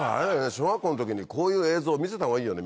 小学校の時にこういう映像を見せたほうがいいよね